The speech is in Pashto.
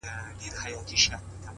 خپل مسیر د ارزښتونو پر بنسټ وټاکئ’